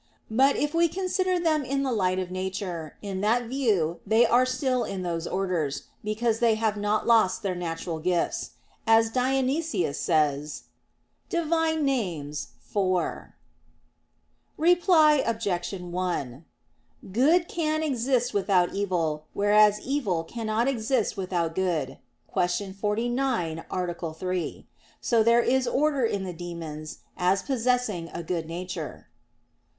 But if we consider them in the light of nature, in that view they are still in those orders; because they have not lost their natural gifts; as Dionysius says (Div. Nom. iv). Reply Obj. 1: Good can exist without evil; whereas evil cannot exist without good (Q. 49, A. 3); so there is order in the demons, as possessing a good nature.